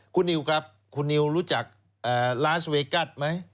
คุณนิวครับคุณนิวรู้จักร้านสเวกัสไหม